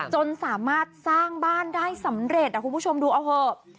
จนสามารถสร้างบ้านได้สำเร็จคุณผู้ชมดูเอาเถอะ